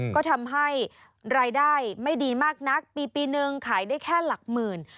ก็ทำให้รายได้ไม่ดีมากนักปีปีนึงขายได้แค่หลักหมื่น